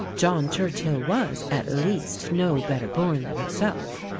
John Churchill was, at least, no better born than herself.